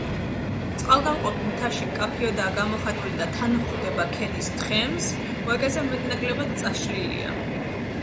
წყალგამყოფი მთაში მკაფიოდაა გამოხატული და თანხვდება ქედის თხემს, ვაკეზე მეტ-ნაკლებად წაშლილია.